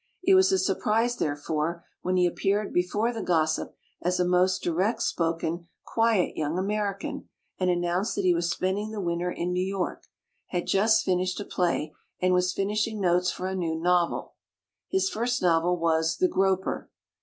It was a surprise, therefore, when he appeared before the Gossip as a most direct spoken quiet young American, and an nounced that he was spending the winter in New York, had just finished a play, and was finishing notes for a new novel. His first novel was "The Groper".